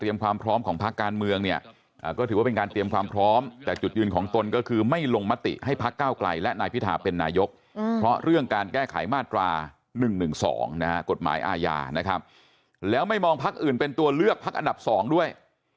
แล้วไม่มองภักดิ์อื่นเป็นตัวเลือกภักดิ์อันดับ๒ด้วย